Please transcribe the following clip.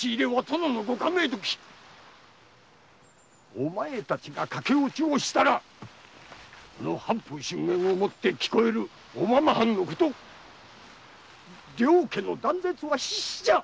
お前たちが駆け落ちをしたら藩風峻厳をもってきこえる小浜藩のこと両家の断絶は必至じゃ！